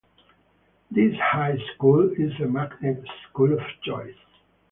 This high school is a magnet school of choice.